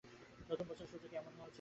নতুন বছরের শুরুটা কি এমন হওয়া উচিত?